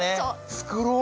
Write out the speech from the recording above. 作ろう。